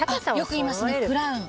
よく言いますねクラウン。